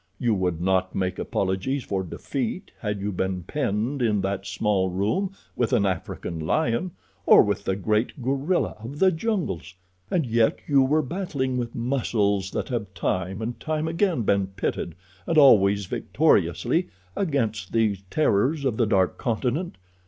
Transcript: You would not make apologies for defeat had you been penned in that small room with an African lion, or with the great Gorilla of the jungles. "And yet you were battling with muscles that have time and time again been pitted, and always victoriously, against these terrors of the dark continent.